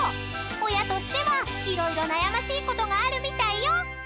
［親としては色々悩ましいことがあるみたいよ］